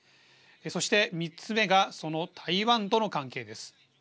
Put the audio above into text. そして３つ目がその台湾との関係です。